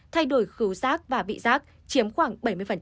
thay đổi khứu rác và vị rác chiếm khoảng bảy mươi